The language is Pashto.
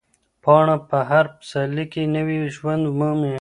پاڼه په هر پسرلي کې نوی ژوند مومي.